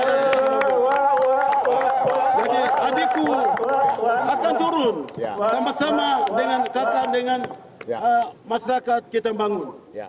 jadi adikku akan turun sama sama dengan kakam dengan masyarakat kita bangun